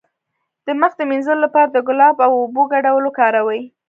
د مخ د مینځلو لپاره د ګلاب او اوبو ګډول وکاروئ